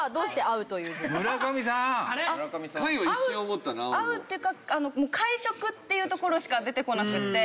「会う」っていうか「会食」っていうところしか出てこなくて。